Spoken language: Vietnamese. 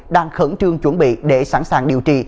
đang khẩn trương chuẩn bị để sẵn sàng điều trị